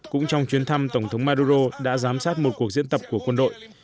cũng trong chuyến thăm tổng thống maduro đã giám sát một cuộc diễn tập của quân đội